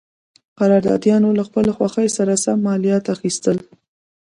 قراردادیانو له خپلې خوښې سره سم مالیات اخیستل.